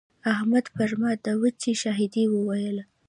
احمد پر ما د وچې شاهدي وويله.